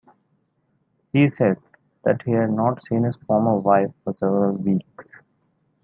He said that he had not seen his former wife for several weeks.